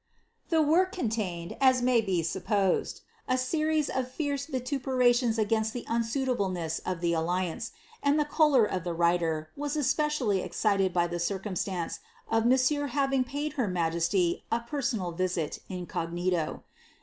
The work contained, as may be supposed, a series of fierce vituperih tions against the unsuitableness of the alliance, and the choler of the writer was especially excited by the circumstance of monsieur having paid her majesty a personal visit, incognito.